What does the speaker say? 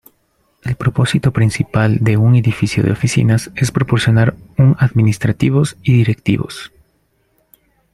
El propósito principal de un edificio de oficinas es proporcionar un administrativos y directivos.